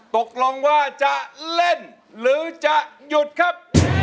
ตกลงว่าจะเล่นหรือจะหยุดครับ